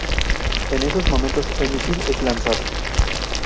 En esos momentos el misil es lanzado.